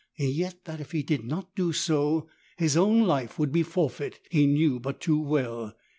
Yet that if he did not do so his own life would be forfeit he knew but too well.